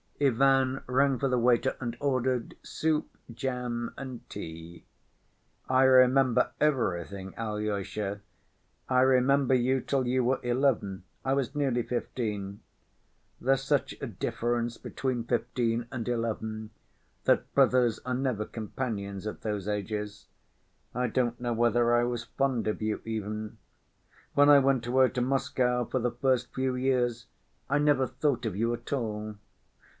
Ivan rang for the waiter and ordered soup, jam and tea. "I remember everything, Alyosha, I remember you till you were eleven, I was nearly fifteen. There's such a difference between fifteen and eleven that brothers are never companions at those ages. I don't know whether I was fond of you even. When I went away to Moscow for the first few years I never thought of you at all.